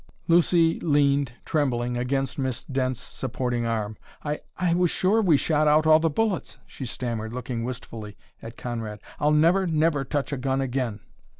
Lucy leaned, trembling, against Miss Dent's supporting arm. "I I was sure we shot out all the bullets," she stammered, looking wistfully at Conrad. "I'll never, never touch a gun again."